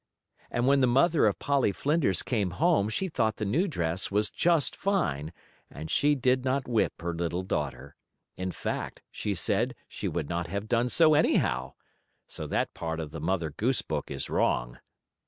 And when the mother of Polly Flinders came home she thought the new dress was just fine, and she did not whip her little daughter. In fact, she said she would not have done so anyhow. So that part of the Mother Goose book is wrong.